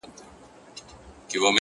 بيا نو منم چي په اختـر كي جــادو؛